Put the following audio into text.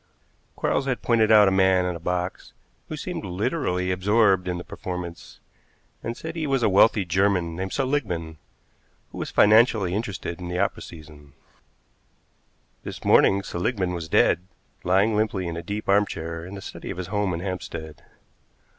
Quarles had pointed out a man in a box who seemed literally absorbed in the performance, and said he was a wealthy German named Seligmann, who was financially interested in the opera season. This morning Seligmann was dead, lying limply in a deep arm chair in the study of his home in Hampstead.